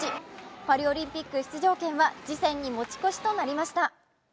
パリオリンピック出場権は次戦に持ち越しとなりました。